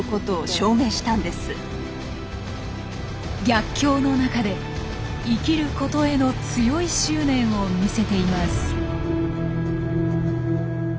逆境の中で生きることへの強い執念を見せています。